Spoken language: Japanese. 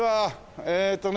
えーっとね